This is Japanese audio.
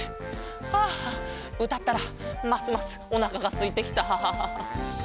あうたったらますますおなかがすいてきた。